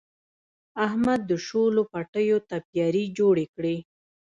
احمد د شولو پټیو تپیاري جوړې کړې.